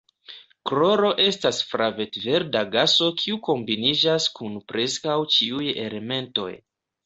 Kloro estas flavet-verda gaso kiu kombiniĝas kun preskaŭ ĉiuj elementoj.